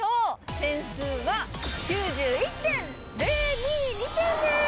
点数は９１．０２２点です！